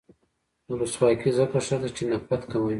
ولسواکي ځکه ښه ده چې نفرت کموي.